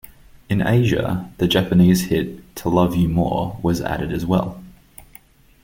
In Asia, the Japanese hit "To Love You More" was added as well.